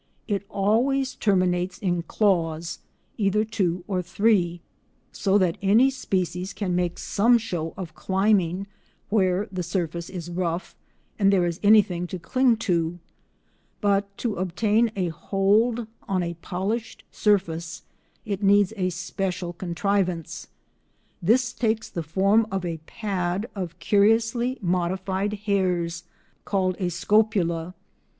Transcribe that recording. It always terminates in claws—either two or three—so that any species can make some show of climbing where the surface is rough and there is anything to cling to, but to obtain a hold on a polished surface it needs a special contrivance. This takes the form of a pad of curiously modified hairs, called a scopula.